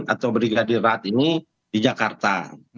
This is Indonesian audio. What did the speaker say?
atau brigadir rat ini di jakarta